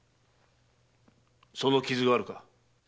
その傷があるか？